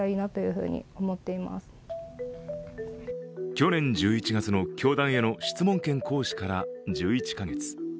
去年１１月の教団への質問権行使から１１か月。